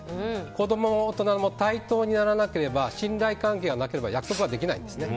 子供も大人も対等にならなければ信頼関係がなければ約束はできないんです。